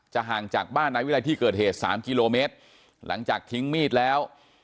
ห่างจากบ้านนายวิรัยที่เกิดเหตุสามกิโลเมตรหลังจากทิ้งมีดแล้ว